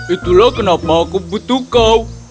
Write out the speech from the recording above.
itulah kenapa aku butuh kau